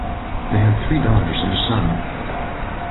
They had three daughters and a son.